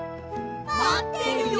まってるよ！